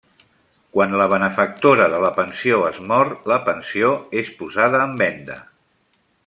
Quan la benefactora de la pensió es mor, la pensió és posada en venda.